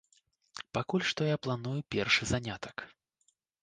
Пакуль што я планую першы занятак!